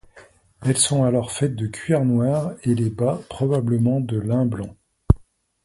Elles sont alors faites de cuir noir et les bas, probablement de lin blanc.